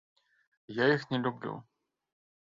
Я іх не люблю.